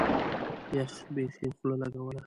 يخ بيخي خوله لګوله.